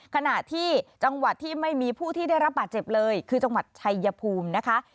ขณะที่จังหวัดที่ไม่มีผู้ที่ได้รับบาดเจ็บเลยคือจังหวัดชัยภูมินะคะ